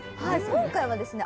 今回はですね